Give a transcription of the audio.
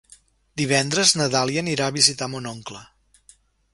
Divendres na Dàlia anirà a visitar mon oncle.